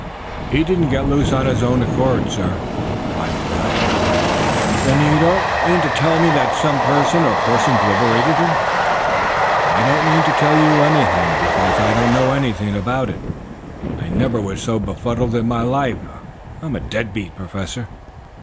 "He didn't get loose of his own accord, sir," replied the guide. "Then you don't mean to tell me that some person or persons liberated him?" "I don't mean to tell you anything, because I don't know anything about it. I never was so befuddled in my life. I'm dead beat, Professor."